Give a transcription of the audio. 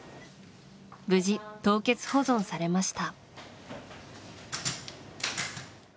無事、凍結保存されました。